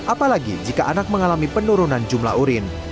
apalagi jika anak mengalami penurunan jumlah urin